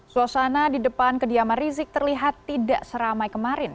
suasana di depan kediaman rizik terlihat tidak seramai kemarin